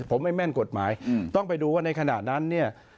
ผมไม่แม่นกฎหมายต้องไปดูว่าในขณะนั้นเนี่ย